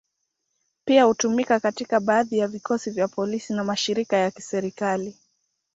Pia hutumiwa katika baadhi ya vikosi vya polisi na mashirika ya kiserikali.